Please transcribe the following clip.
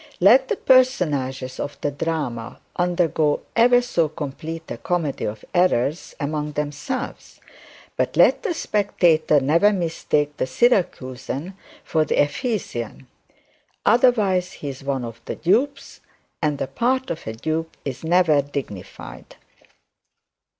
Let the personages of the drama undergo ever so completely a comedy of errors among themselves, but let the spectator never mistake the Syracusan for the Ephesian; otherwise he is one of the dupes, and the part of a dupe is never dignified.